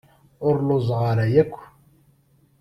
Ur lluẓeɣ ara akk.